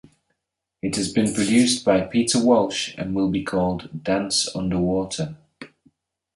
It has been produced by Peter Walsh and will be called Dance Underwater.